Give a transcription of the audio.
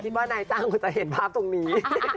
คิดว่านายจ้างก็จะเห็นภาพตรงนี้